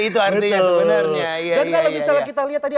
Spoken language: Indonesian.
dan kalau misalnya kita lihat tadi